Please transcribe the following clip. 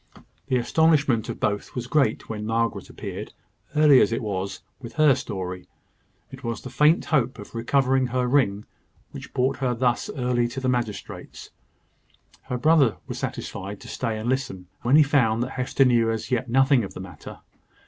The astonishment of both was great when Margaret appeared, early as it was, with her story. It was the faint hope of recovering her ring which brought her thus early to the magistrate's. Her brother was satisfied to stay and listen, when he found that Hester knew as yet nothing of the matter.